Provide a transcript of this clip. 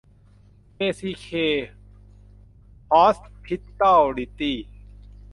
เจซีเค ฮอสพิทอลลิตี้